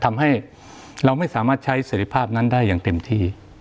ทำให้เราไม่สามารถใช้เสร็จภาพนั้นได้อย่างเต็มที่